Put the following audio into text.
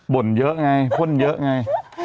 ่นเยอะไงพ่นเยอะไง